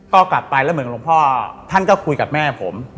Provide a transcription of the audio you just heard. ก็กลับไปแล้วเหมือนหลวงพ่อท่านก็คุยกับแม่ผม